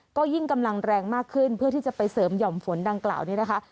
ก็ยิ่งกำลังแรงมากขึ้นเพื่อที่จะไปเสริมหย่อมฝนดังกล่าวนี้นะคะ